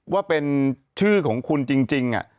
ว่าเป็นชื่อของคุณจริง